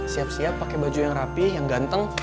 siap siap pake baju yang rapih yang ganteng